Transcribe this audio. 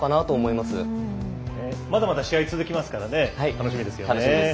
まだまだ試合続きますから楽しみです。